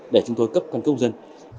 để chúng tôi cấp cân cước công dân